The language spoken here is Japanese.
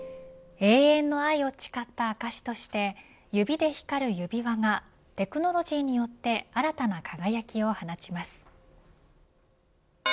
永遠の愛を誓った証として指で光る指輪がテクノロジーによって新たな輝きを放ちます。